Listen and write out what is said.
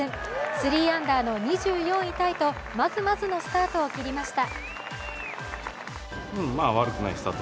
３アンダーの２４位タイと、まずまずのスタートを切りました。